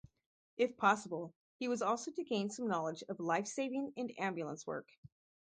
If possible, he was also to gain some knowledge of "life-saving and ambulance work".